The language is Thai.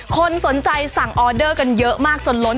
คนสนใจสั่งออเดอร์กันเยอะมากจนล้น